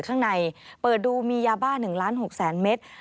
ข้างในเปิดดูมียาบ้า๑๖๐๐๐๐๐เมตร